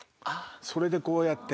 それでこうやって。